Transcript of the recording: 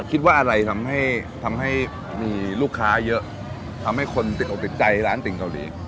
คิดว่าอะไรทำให้มีลูกค้าเยอะทำให้คนติดอกติดใจร้านติ่งเกาหลี